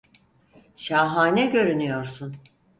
Şahane görünüyorsun.